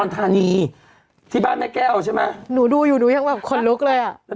ธานีที่บ้านแม่แก้วใช่ไหมหนูดูอยู่หนูยังแบบขนลุกเลยอ่ะ